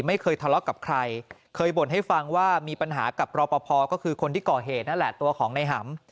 ไม่เคยทะเลาะกับใครเคยบ่นให้ฟังว่ามีปัญหากับรอปภก็คือคนที่ก่อเหตุนั่นแหละตัวของในหำ